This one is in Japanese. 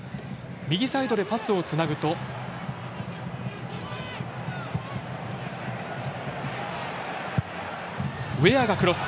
右サイドでパスをつなぐとウェアがクロス。